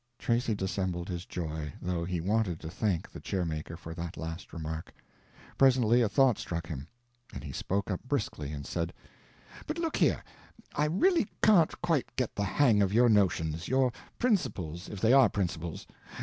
Tracy dissembled his joy, though he wanted to thank the chair maker for that last remark. Presently a thought struck him, and he spoke up briskly and said: "But look here, I really can't quite get the hang of your notions—your principles, if they are principles.